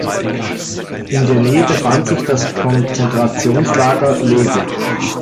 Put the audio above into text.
In der Nähe befand sich das Konzentrationslager Loibl.